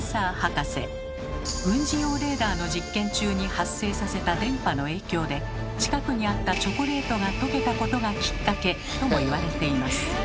軍事用レーダーの実験中に発生させた電波の影響で近くにあったチョコレートがとけたことがきっかけとも言われています。